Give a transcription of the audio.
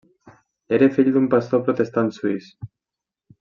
Era fill d’un pastor protestant suís.